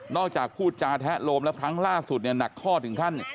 จากพูดจาแทะโลมแล้วครั้งล่าสุดเนี่ยหนักข้อถึงขั้น